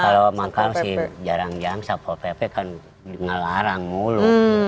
kalau manggal sih jarang jarang sapal pepe kan ngelarang ngulung